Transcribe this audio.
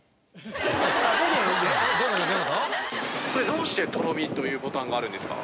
どうして「とろみ」というボタンがあるんですか？